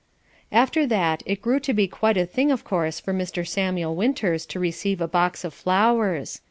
After that it grew to be quite a thing of course for Mr. Samuel Winters to receive a box of flowers.